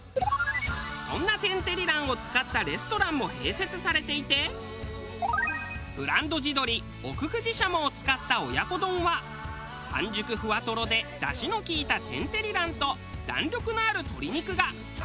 そんな天てり卵を使ったレストランも併設されていてブランド地鶏奥久慈しゃもを使った親子丼は半熟ふわとろで出汁の利いた天てり卵と弾力のある鶏肉が相性抜群。